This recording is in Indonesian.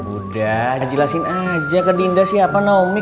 udah dijelasin aja ke dinda siapa naomi